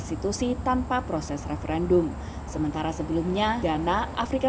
selama elisabeth ii bertahta